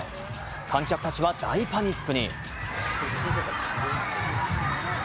観客たちは大パニックに。